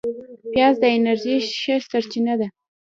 پیاز د انرژۍ ښه سرچینه ده